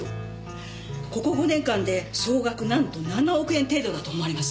ここ５年間で総額なんと７億円程度だと思われます。